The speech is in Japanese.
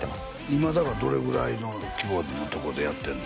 今だからどれぐらいの規模のとこでやってんの？